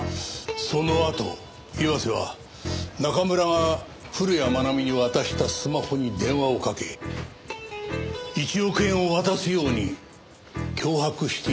そのあと岩瀬は中村が古谷愛美に渡したスマホに電話をかけ１億円を渡すように脅迫していたのかもしれない。